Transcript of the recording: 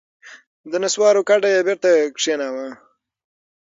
د نسوارو کډه یې بېرته کښېناوه.